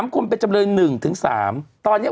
กรมป้องกันแล้วก็บรรเทาสาธารณภัยนะคะ